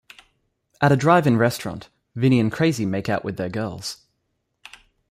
At a drive-in restaurant, Vinnie and Crazy make out with their girls.